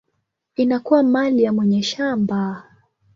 inakuwa mali ya mwenye shamba.